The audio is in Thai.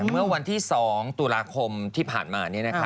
เมื่อวันที่๒ตุลาคมที่ผ่านมานี่นะคะ